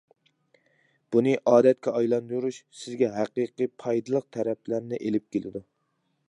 بۇنى ئادەتكە ئايلاندۇرۇش، سىزگە ھەقىقىي پايدىلىق تەرەپلەرنى ئېلىپ كېلىدۇ.